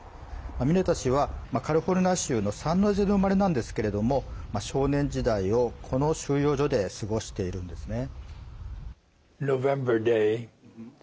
ミネタ氏はカリフォルニア州のサンノゼの生まれなんですけども少年時代を、この収容所で過ごしているんですね。